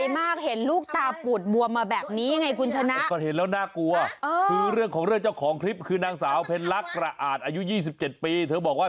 มาตีมันทำไมอ่ะไม่ใช่อ่ามันใช่ใครซ้ำ